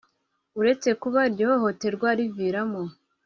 Uretse kuba iryo hohoterwa riviramo